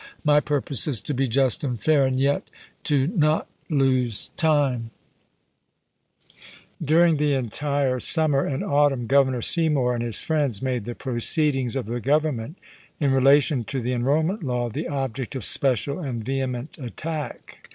My purpose is to be just and fair, and yet to not lose time. Chap. II. Lincoln to Seymour, Aug. 16, 1863. MS. During the entire summer and autumn Governor Seymour and his friends made the proceedings of the Government, in relation to the enrollment law, the object of special and vehement attack.